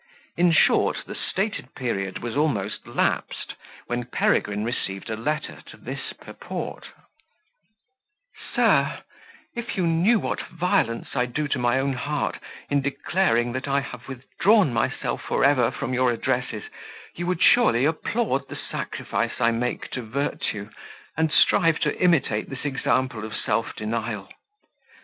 In short, the stated period was almost lapsed when Peregrine received a letter to this purport: "Sir, If you knew what violence I do my own heart, in declaring, that I have withdrawn myself for ever from your addresses, you would surely applaud the sacrifice I make to virtue, and strive to imitate this example of self denial.